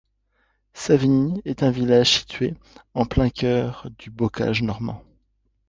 Savigny est un village situé en plein cœur du bocage normand.